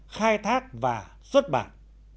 khai thác và xuất bản